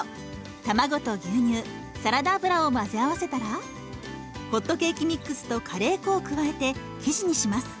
卵と牛乳サラダ油を混ぜ合わせたらホットケーキミックスとカレー粉を加えて生地にします。